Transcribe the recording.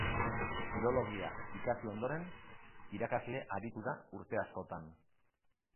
Filologia ikasi ondoren, irakasle aritu da urte askoan.